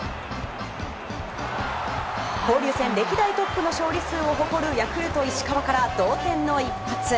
交流戦歴代トップの勝利数を誇るヤクルト、石川から同点の一発。